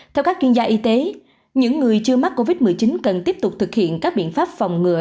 theo các chuyên gia y tế những người chưa mắc covid một mươi chín cần tiếp tục thực hiện các biện pháp phòng ngừa